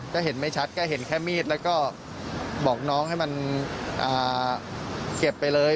ก็เห็นไม่ชัดก็เห็นแค่มีดแล้วก็บอกน้องให้มันเก็บไปเลย